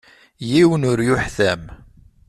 Yiwen ur yuḥtam.